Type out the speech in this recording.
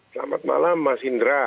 selamat malam mas indra